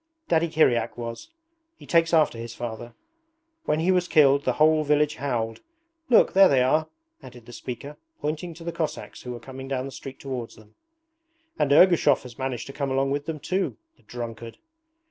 Daddy Kiryak was: he takes after his father. When he was killed the whole village howled. Look, there they are,' added the speaker, pointing to the Cossacks who were coming down the street towards them. 'And Ergushov has managed to come along with them too! The drunkard!'